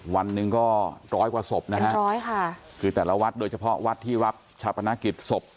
วันหนึ่งก็ร้อยกว่าศพนะฮะคือแต่ละวัดโดยเฉพาะวัดที่วัดชาวประนักศิริษฐ์ศพ